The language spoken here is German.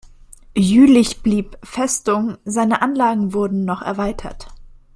Jülich blieb Festung, seine Anlagen wurden noch erweitert.